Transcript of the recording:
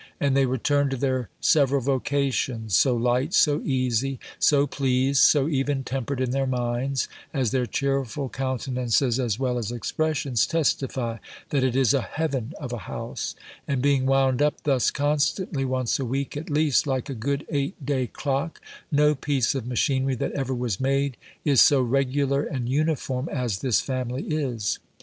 And they return to their several vocations, so light, so easy, so pleased, so even tempered in their minds, as their cheerful countenances, as well as expressions, testify, that it is a heaven of a house: and being wound up thus constantly once a week, at least, like a good eight day clock, no piece of machinery that ever was made is so regular and uniform as this family is.